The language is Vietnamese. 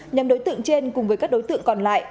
nhóm đối tượng trên cùng với các đối tượng còn lại